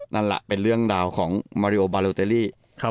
นั่นแหละเป็นเรื่องราวของมาริโอบาโลเตอรี่